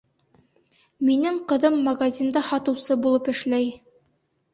Минең ҡыҙым магазинда һатыусы булып эшләй.